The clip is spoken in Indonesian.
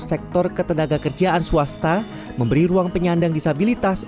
sektor ketenaga kerjaan swasta memberi ruang penyandang disabilitas